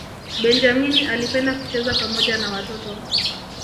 benjamini alipenda kucheza pamoja na watoto